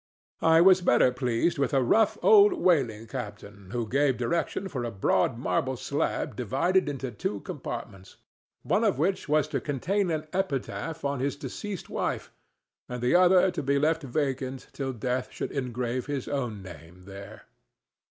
I was better pleased with a rough old whaling captain who gave directions for a broad marble slab divided into two compartments, one of which was to contain an epitaph on his deceased wife and the other to be left vacant till death should engrave his own name there.